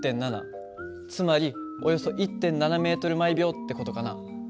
つまりおよそ１．７ｍ／ｓって事かな。